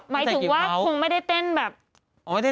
หมายถึงว่าคงคงไม่ได้แต้นแบบอย่างนั้น